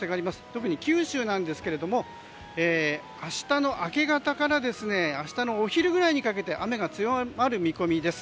特に九州ですが明日の明け方から明日のお昼ぐらいにかけて雨が強まる見込みです。